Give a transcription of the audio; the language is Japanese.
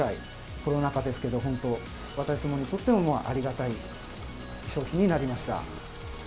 コロナ禍ですけど本当、私どもにとってもありがたい商品になりました。